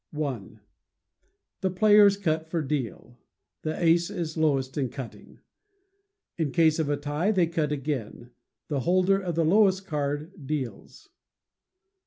i. The players cut for deal. The ace is lowest in cutting. In case of a tie, they cut again. The holder of the lowest card deals.